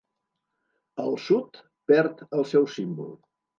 El Sud perd el seu símbol.